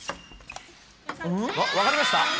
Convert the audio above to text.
分かりました？